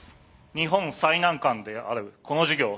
日本最難関であるこの事業